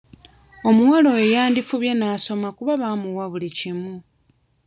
Omuwala oyo yandifubye n'asoma kuba bamuwa buli kimu.